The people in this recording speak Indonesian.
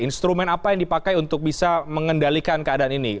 instrumen apa yang dipakai untuk bisa mengendalikan keadaan ini